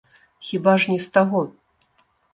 Хіба ж не з таго?